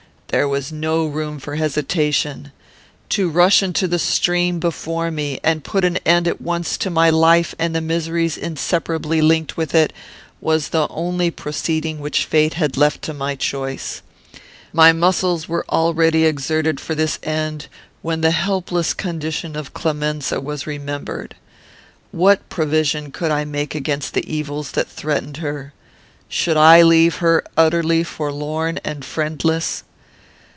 "There was no room for hesitation. To rush into the stream before me, and put an end at once to my life and the miseries inseparably linked with it, was the only proceeding which fate had left to my choice. My muscles were already exerted for this end, when the helpless condition of Clemenza was remembered. What provision could I make against the evils that threatened her? Should I leave her utterly forlorn and friendless?